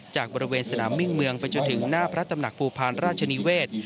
จากบริเวณสนามมิ่งเมืองไปจนถึงหน้าพระตำหนักภูพาลราชนิเวศ